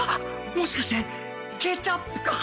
もしかしてケチャップか！